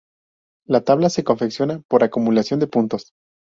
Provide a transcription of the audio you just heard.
La tabla se confecciona por acumulación de puntos.